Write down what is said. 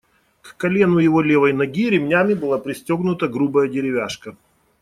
К колену его левой ноги ремнями была пристегнута грубая деревяшка.